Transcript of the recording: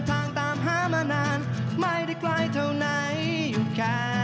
สนุนโดยอีซุสุข